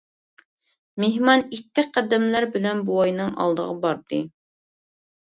مېھمان ئىتتىك قەدەملەر بىلەن بوۋاينىڭ ئالدىغا باردى.